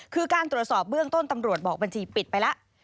คือการตรวจสอบเบื้องต้นตำรวจบอกบัญชีปิดไปแล้ว